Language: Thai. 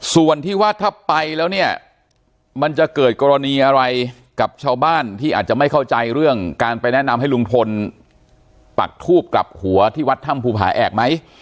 ส่วนที่ว่าถ้าไปแล้วเนี่ยมันจะเกิดกรณีอะไรกับชาวบ้านที่อาจจะไม่เข้าใจเรื่องการไปแนะนำให้ลุงพลปักทูบกลับหัวที่วัดถ้ำภูผาแอกไหม